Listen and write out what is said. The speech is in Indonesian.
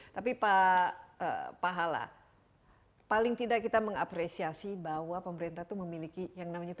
tapi pak hala paling tidak kita mengapresiasi bahwa pemerintah itu memiliki yang namanya